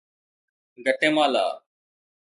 Guatemala